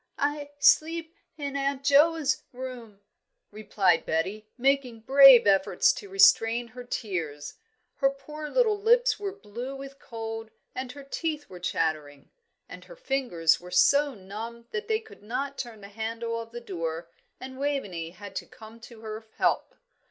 "I sleep in Aunt Joa's room," replied Betty, making brave efforts to restrain her tears. Her poor little lips were blue with cold, and her teeth were chattering. And her fingers were so numb that they could not turn the handle of the door, and Waveney had to come to her help.